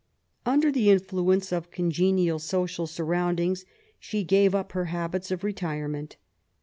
Under the influence of congenial social surroundings she gave up her habits of retirement.